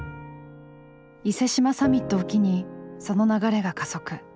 伊勢志摩サミットを機にその流れが加速。